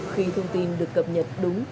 khi thông tin được cập nhật đúng